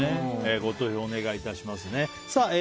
ご投票お願いしますね。